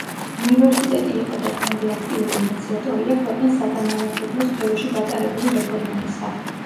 უნივერსიტეტი იყო და დღემდე აქტიური ინიციატორია ქვეყნის საგანმანათლებლო სფეროში გატარებული რეფორმებისა.